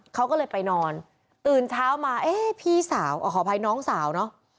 เขาก็เลยไปนอนตื่นเช้ามาเอ๊ะพี่สาวขออภัยน้องสาวเนอะ